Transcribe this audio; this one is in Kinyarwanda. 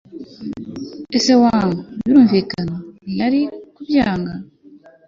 se wangu birumvikana ntiyari kubyanga